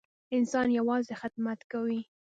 انسان یوازې خدمت کوي.